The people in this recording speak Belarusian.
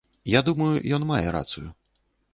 Я думаю, ён мае рацыю.